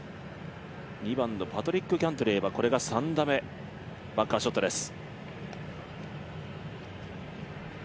２番のパトリック・キャントレーはこれが３打目、バンカーショットです。